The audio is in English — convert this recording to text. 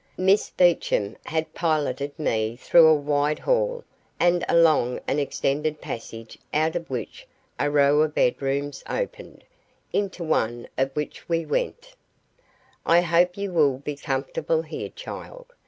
Miss Beecham had piloted me through a wide hall and along an extended passage out of which a row of bedrooms opened, into one of which we went. "I hope you will be comfortable here, child.